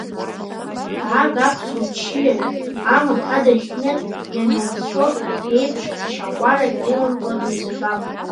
Дааг аԥсуа ччиажә, амаҭ адаӷь кны ианацәцәо еиԥш, шьа кәарак иламкәа дусырбап!